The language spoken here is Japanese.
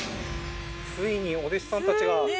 ついにお弟子さんたちが。